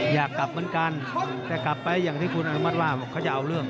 อยากกลับเหมือนกันแต่กลับไปอย่างที่คุณอนุมัติว่าเขาจะเอาเรื่อง